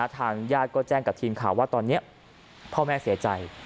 ทางญาติก็แจ้งกับทีมข่าวว่าตอนนี้พ่อแม่เสียใจ